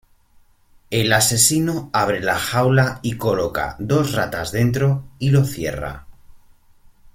El asesino abre la jaula y coloca dos ratas dentro y lo cierra.